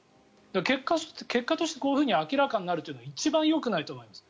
結果としてこういうふうに明らかになるのは一番よくないと思います。